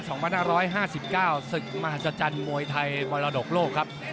ศึกมหัศจรรย์มวยไทยมรดกโลกครับ